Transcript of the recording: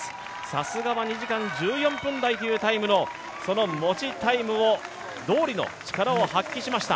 さすがは２時間１４分台というタイムの持ちタイムどおりの力を発揮しました。